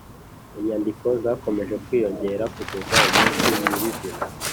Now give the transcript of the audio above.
inyandiko zakomeje kwiyongera kugeza umunsi nyirizina